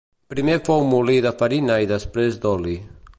Primer fou molí de farina i després d'oli.